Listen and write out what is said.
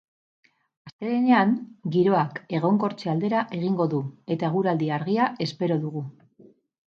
Astelehenean, giroak egonkortze aldera egingo du eta eguraldi argia espero dugu.